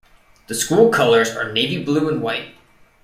The school colors are navy blue and white.